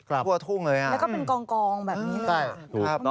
และเป็นกองภูเวียด